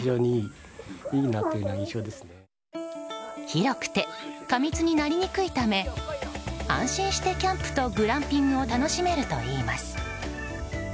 広くて過密になりにくいため安心してキャンプとグランピングを楽しめるといいます。